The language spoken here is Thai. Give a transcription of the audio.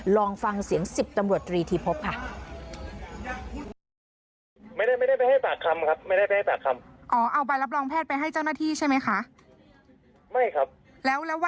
ลองฟังเสียง๑๐ตำรวจตรีทีพบค่ะ